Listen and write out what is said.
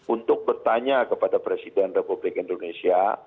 untuk bertanya kepada presiden republik indonesia